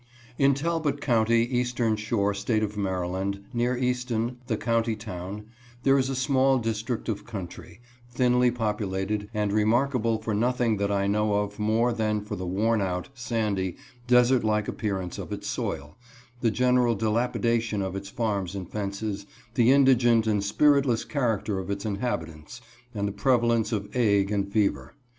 IN Talbot County, Eastern Shore, State of Maryland, near Easton, the county town, there is a small district of country, thinly populated, and remarkable for nothing that I know of more than for the worn out, sandy, desert like appearance of its soil, the general dilapidation of its farms and fences, the indigent and spiritless character of its inhabitants, and the prevalence of ague and fever.